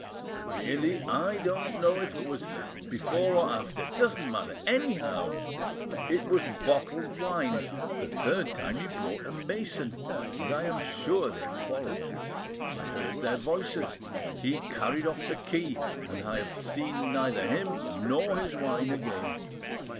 "Really, I don't know if it was before or after—doesn't matter. Anyhow, it was bottled wine. The third time he brought a mason, and I am sure they quarreled. I heard their voices. He carried off the key, and I have seen neither him nor his wine again.